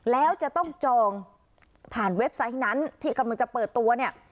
แล้วจะต้องจองผ่านเว็บไซต์นั้นที่กำลังจะเปิดตัวเนี่ย